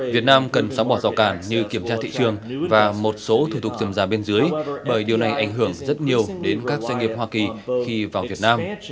việt nam cần xóa bỏ rào cản như kiểm tra thị trường và một số thủ tục dườm già bên dưới bởi điều này ảnh hưởng rất nhiều đến các doanh nghiệp hoa kỳ khi vào việt nam